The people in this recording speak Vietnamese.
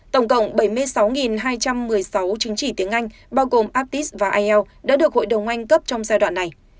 tổng cộng bảy mươi sáu hai trăm một mươi sáu chứng chỉ tiếng anh bao gồm aptis và ielts đã được hội đồng anh cấp trong giai đoạn này